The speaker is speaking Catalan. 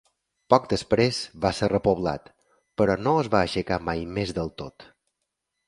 Poc després va ser repoblat, però no es va aixecar mai més del tot.